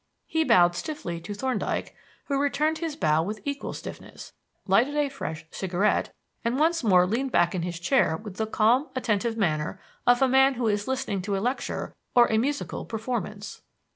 He bowed stiffly to Thorndyke (who returned his bow with equal stiffness), lighted a fresh cigarette, and once more leaned back in his chair with the calm, attentive manner of a man who is listening to a lecture or a musical performance.